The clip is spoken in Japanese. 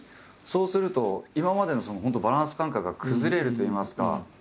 そうすると今までのバランス感覚が崩れるといいますか。